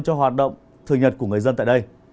cho hoạt động thường nhật của người dân tại đây